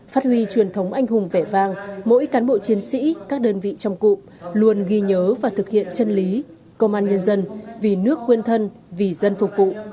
phát huy truyền thống anh hùng vẻ vang mỗi cán bộ chiến sĩ các đơn vị trong cụm luôn ghi nhớ và thực hiện chân lý công an nhân dân vì nước quên thân vì dân phục vụ